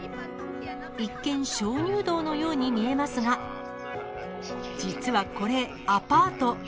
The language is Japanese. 一見、鍾乳洞のように見えますが、実はこれ、アパート。